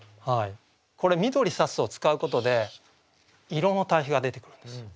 これ「緑さす」を使うことで色の対比が出てくるんですよ。